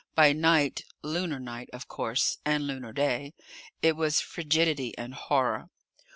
By night lunar night, of course, and lunar day it was frigidity and horror.